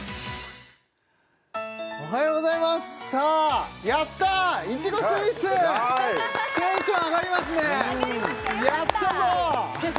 おはようございますさあやったいちごスイーツテンション上がりますねやったぞ